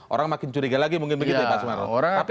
orang makin curiga lagi mungkin begitu pak sumarro